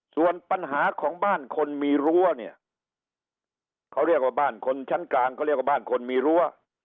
ส่วนปัญหาของบ้านคนมีรั้วเนี่ยเขาเรียกว่าบ้านคนชั้นกลางเขาเรียกว่าบ้านคนมีรั้ว